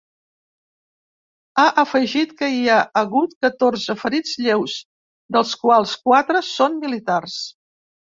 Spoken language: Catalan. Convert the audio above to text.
Ha afegit que hi ha hagut catorze ferits lleus, dels quals quatre són militars.